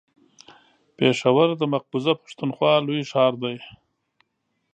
پېښور د مقبوضه پښتونخوا لوی ښار دی.